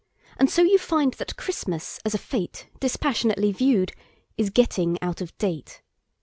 And so you find that Christmas as a fêteDispassionately viewed, is getting outOf date.